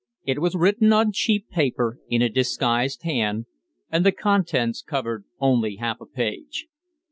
It was written on cheap paper in a disguised hand, and the contents covered only half a page.